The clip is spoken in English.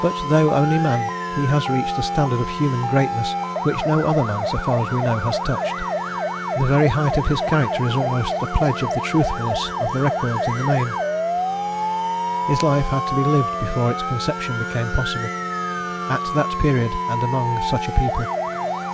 But though only man, he has reached a standard of human greatness which no other man, so far as we know, has touched: the very height of his character is almost a pledge of the truthfulness of the records in the main: his life had to be lived before its conception became possible, at that period and among such a people.